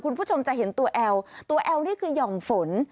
คุณผู้ชมจะเห็นตัวแอลตัวแอลนี่คือหย่อมฝน